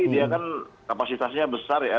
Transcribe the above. dia kan kapasitasnya besar ya